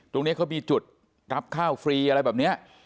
ตรงนี้เขามีจุดรับข้าวฟรีอะไรแบบนี้